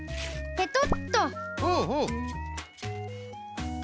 ペトッと。